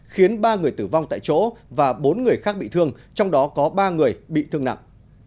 khiến ba người tử vong tại chỗ và bốn người khác bị thương trong đó có ba người bị thương nặng